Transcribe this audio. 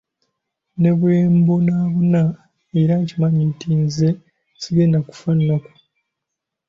Ne bwe mbonaabona era nkimanyi nti nze sigenda kufa nnaku.